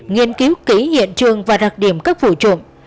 nghiên cứu kỹ hiện trường và đặc điểm các vụ trộm